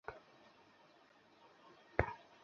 তখন শুধু হাতি ছিল।